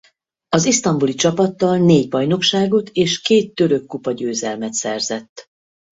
Az isztambuli csapattal négy bajnokságot és két török kupagyőzelmet szerzett.